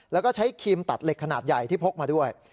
แล้วก็ใช้ครีมตัดเหล็กขนาดใหญ่ที่พกมาด้วย